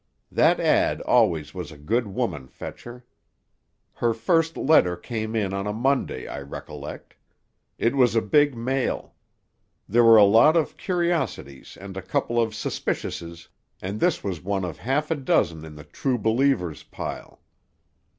That ad always was a good woman fetcher. Her first letter came in on a Monday, I recollect. It was a big mail. There were a lot of Curiositys and a couple of Suspiciouses, and this was one of half a dozen in the True Believers' pile.